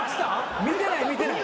見てない見てない。